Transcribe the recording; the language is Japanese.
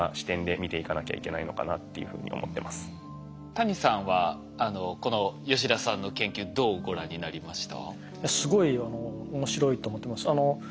谷さんはこの吉田さんの研究どうご覧になりました？